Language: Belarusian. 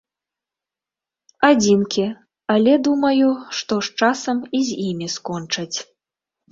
Адзінкі, але, думаю, што з часам і з імі скончаць.